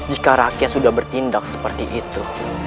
jika rakyat sudah bertindak seperti itu